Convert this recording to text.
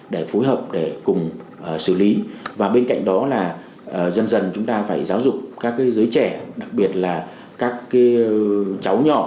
để phối hợp để cùng xử lý và bên cạnh đó là dần dần chúng ta phải giáo dục các giới trẻ đặc biệt là các cháu nhỏ